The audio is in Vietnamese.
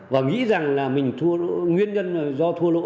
và nghĩ rằng nguyên nhân do thua lỗ